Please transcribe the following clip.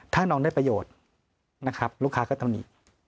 ถ้าน้องได้ประโยชน์นะครับลูกค้าก็ตำหนิ